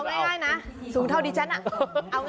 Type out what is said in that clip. เอาง่ายนะสูงเท่าดิฉันอะ